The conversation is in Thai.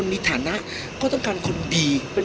พี่อัดมาสองวันไม่มีใครรู้หรอก